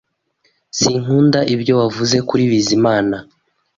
Sinkunda ibyo wavuze kuri Bizimana